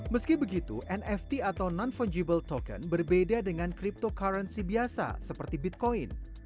meski begitu nft atau non fungible token berbeda dengan cryptocurrency biasa seperti bitcoin